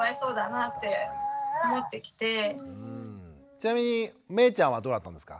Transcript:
ちなみにめいちゃんはどうだったんですか？